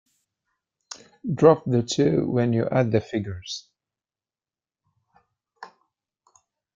Drop the two when you add the figures.